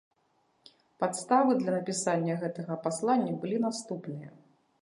Падставы для напісання гэтага паслання былі наступныя.